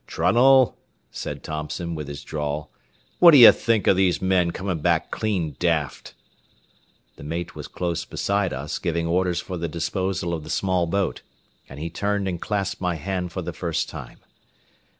"Trunnell," said Thompson, with his drawl, "what d'ye think of these men coming back clean daft?" The mate was close beside us, giving orders for the disposal of the small boat, and he turned and clasped my hand for the first time.